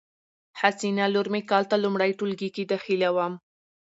حسینه لور می کال ته لمړی ټولګي کی داخلیدوم